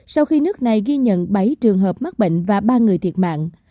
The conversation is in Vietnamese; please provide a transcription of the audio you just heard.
sau khi nước này ghi nhận bảy trường hợp mắc bệnh và ba người thiệt mạng